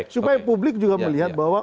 supaya publik juga melihat bahwa